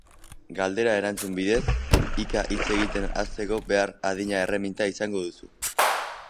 Galdera-erantzun bidez, hika hitz egiten hasteko behar adina erreminta izango duzu.